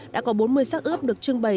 đã có bốn mươi sắc ướp được trưng bày